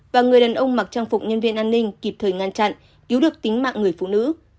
và người đàn ông mặc trang phục nhân viên an ninh kịp thời ngăn chặn cứu được tính mạng người phụ nữ